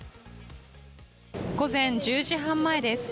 午前１０時半前です。